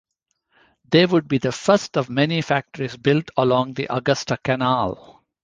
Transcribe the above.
They would be the first of many factories built along the Augusta Canal.